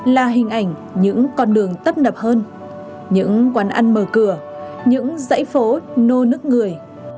là hình ảnh những con đường tấp nập hơn những quán ăn mở cửa những dãy phố nô nức người